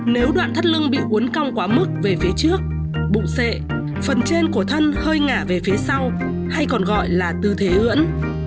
nếu đoạn thắt lưng bị uốn cong quá mức về phía trước bụng xệ phần trên của thân hơi ngả về phía sau hay còn gọi là tư thế ưỡn